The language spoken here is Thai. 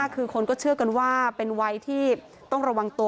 คือคนก็เชื่อกันว่าเป็นวัยที่ต้องระวังตัว